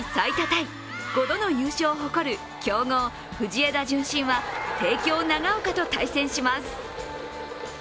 タイ、５度の優勝を誇る強豪・藤枝順心は帝京長岡と対戦します。